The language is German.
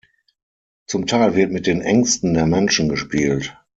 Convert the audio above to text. Zum Teil wird mit den Ängsten der Menschen gespielt.